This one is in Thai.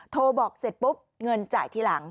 โทรบอกเสร็จปุ๊บเงินจ่ายทีหลัง